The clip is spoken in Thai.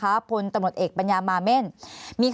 ภารกิจสรรค์ภารกิจสรรค์